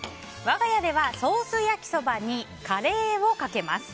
我が家ではソース焼きそばにカレーをかけます。